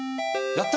やった！